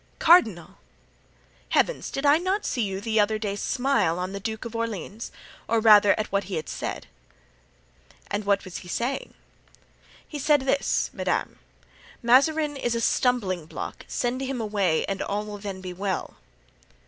"Cardinal!" "Heavens! did I not see you the other day smile on the Duke of Orleans? or rather at what he said?" "And what was he saying?" "He said this, madame: 'Mazarin is a stumbling block. Send him away and all will then be well.